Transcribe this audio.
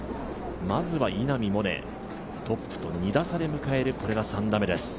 まずは稲見萌寧、トップと２打差で迎える、これが３打目です。